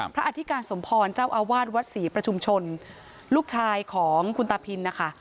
อธิการสมพรเจ้าอาวาสวัดศรีประชุมชนลูกชายของคุณตาพินนะคะ